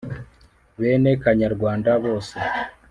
bene kanyarwanda bose